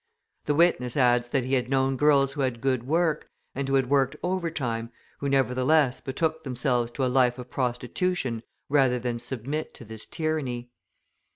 The witness adds that he had known girls who had good work, and who had worked overtime, who, nevertheless, betook themselves to a life of prostitution rather than submit to this tyranny.